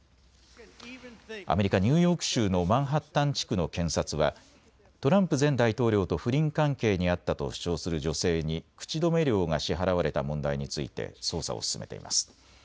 アメリカ・ニューヨーク州のマンハッタン地区の検察はトランプ前大統領と不倫関係にあったと主張する女性に口止め料が支払われた問題について捜査を進めています。